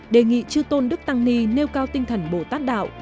đề nghị chư tôn đức tăng ni nêu cao tinh thần bồ tát đạo